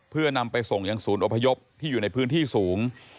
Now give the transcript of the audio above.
เพื่อนำไปส่งยังศูนย์อพยพที่อยู่ในพื้นที่สูง